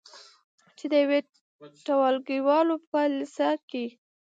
چې د یوې ټولګیوالې یې په لیسه کې